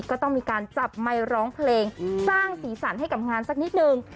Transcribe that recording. ก็ต้องมีการจับไมค์ร้องเพลงสร้างสีสันให้กับงานสักนิดนึง